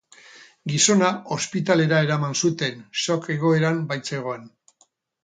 Gizona ospitalera eraman zuten, shock egoeran baitzegoen.